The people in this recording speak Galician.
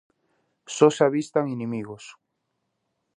Só se avistan inimigos...